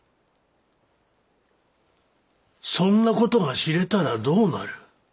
そんな事が知れたらどうなる？